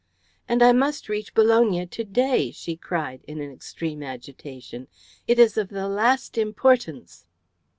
"And I must reach Bologna to day," she cried in an extreme agitation. "It is of the last importance."